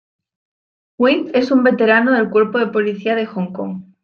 Wing es un veterano del Cuerpo de Policía de Hong Kong.